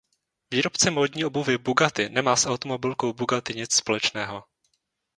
Výrobce módní obuvi Bugatti nemá s automobilkou Bugatti nic společného.